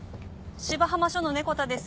芝浜署の猫田です。